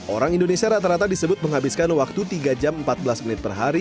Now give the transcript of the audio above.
orang indonesia rata rata disebut menghabiskan waktu tiga jam empat belas menit per hari